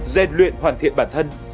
rèn luyện hoàn thiện bản thân